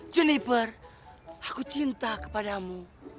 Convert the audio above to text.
juniper aku cinta kepadamu